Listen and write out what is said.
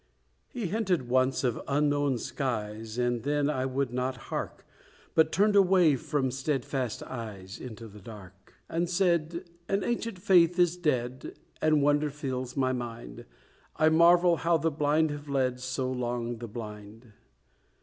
He hinted once of unknown skies, And then I would not hark, But turned away from steadfast eyes, Into the dark. And said "an ancient faith is dead And wonder fills my mind: I marvel how the blind have led So long the blind.